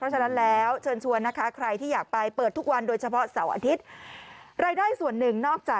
เชื่อเอาใหม่สิฮ่า